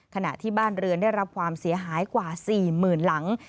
ขณะที่บ้านเรือนได้รับความเสียหายกว่า๔๐๐๐หลัง